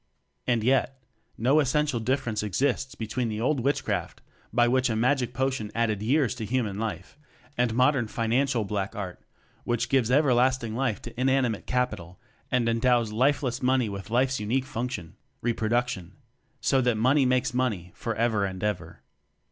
And yet, no essential difference exists between the old witchcraft, by which a "magic po tion" added years to human life, and modern "financial" black art which gives everlasting life to inanimate "capital" and endows lifeless "money" with life's unique function reproduc tion so that "money makes money" for ever and ever.